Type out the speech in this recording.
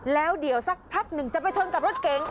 แล้วเดี๋ยวสักพักหนึ่งจะไปชนกับรถเก๋ง